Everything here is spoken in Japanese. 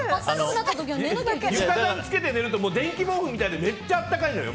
床暖つけて寝ると電気毛布みたいでめっちゃ暖かいのよ。